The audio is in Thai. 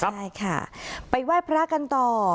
ใช่ค่ะไปไหว้พระกันต่อ